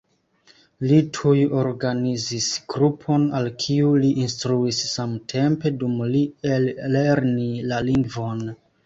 Li tuj organizis grupon al kiu li instruis samtempe dum li ellernis la lingvon.